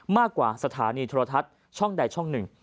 กว่าสถานีโทรทัศน์ช่องใดช่องหนึ่ง